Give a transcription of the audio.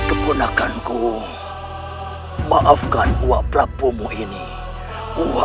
ada yang nederriesa